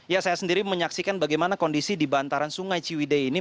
ya saya sendiri menyaksikan bagaimana kondisi di bantaran sungai ciwide ini